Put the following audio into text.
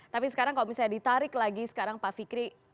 tapi sekarang kalau misalnya ditarik lagi sekarang pak fikri